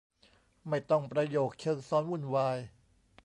ไม่ต้องประโยคเชิงซ้อนวุ่นวาย